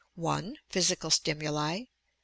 Physical stimuli, 2.